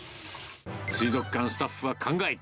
水族館スタッフは考えた。